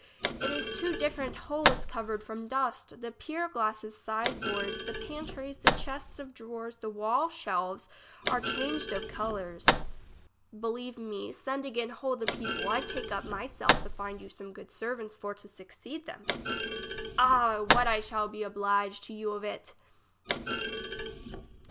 It is too differ English as she is spoke. 39 ent, whole is covered from dust ; the pier glasses side boards, the pantries, the chests of drawers, the walls selves, are changed of colours. Believe me, send again whole the people ; I take upon my self to find you some good servants for to succeed them. Ah ! what I shall be oblige to you of it